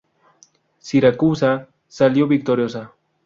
Siracusa salió victoriosa.